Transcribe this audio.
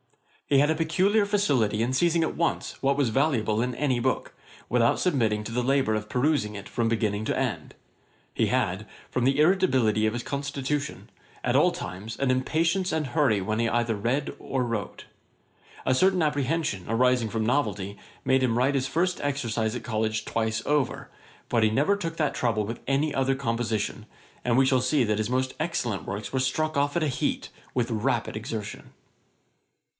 He had a peculiar facility in seizing at once what was valuable in any book, without submitting to the labour of perusing it from beginning to end. He had, from the irritability of his constitution, at all times, an impatience and hurry when he either read or wrote. A certain apprehension, arising from novelty, made him write his first exercise at College twice over; but he never took that trouble with any other composition; and we shall see that his most excellent works were struck off at a heat, with rapid exertion. [Page 72: Johnson's rooms in College. A.D. 1729.